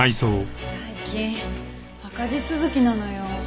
最近赤字続きなのよ。